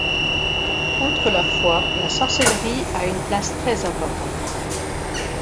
Outre la foi, la sorcellerie a une place très importante.